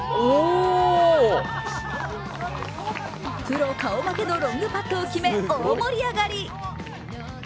プロ顔負けのロングパットを決め、大盛り上がり。